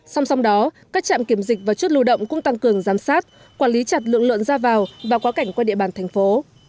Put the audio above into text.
song song đó các trạm kiểm dịch và chút lưu động cũng tăng cường giám sát quản lý chặt lượng lợn ra vào và quá cảnh qua địa bàn thành phố